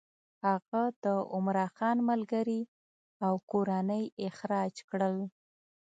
هغه د عمرا خان ملګري او کورنۍ اخراج کړل.